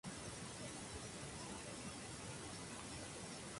Joseph's es un club de fútbol que juega en Gibraltar.